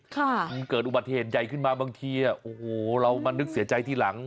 มันเกิดอุบัติเหตุใหญ่ขึ้นมาบางทีโอ้โหเรามานึกเสียใจทีหลัง